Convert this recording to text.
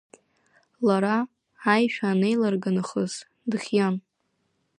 Лара, аишәа анеиллырга нахыс, дыхиан.